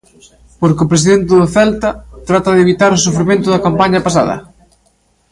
Porque o presidente do Celta trata de evitar o sufrimento da campaña pasada.